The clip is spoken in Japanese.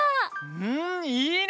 うんいいね。